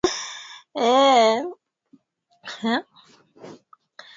Wiki ya pili tangu Juliana na Jabir walipopata mgeni ambaye ni mdogo wake Juliana